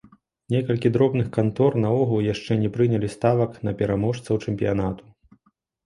Некалькі дробных кантор наогул яшчэ не прынялі ставак на пераможцаў чэмпіянату.